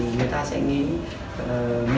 người ta sẽ nghĩ